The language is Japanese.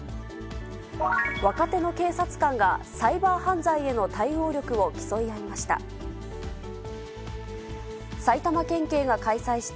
若手の警察官が、サイバー犯罪への対応力を競い合いました。